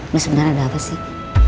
lo sebenernya ada apa sih